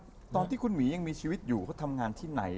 แล้วคุณหมีที่คุณหมียังมีชีวิตอยู่เขาทำงานที่ไหน